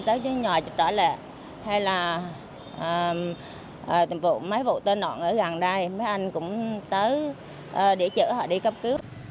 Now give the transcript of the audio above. tới nhà trật trở lệ hay là mấy vụ tơ nộn ở gần đây mấy anh cũng tới địa chữ họ đi cấp cứu